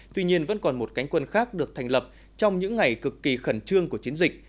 tuy nhiên vẫn còn một cánh quân khác được thành lập trong những ngày cực kỳ khẩn trương của chiến dịch